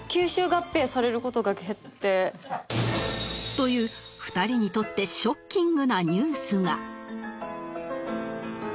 という２人にとってショッキングなニュースが